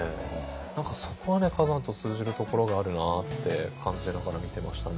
何かそこはね崋山と通じるところがあるなって感じながら見てましたね。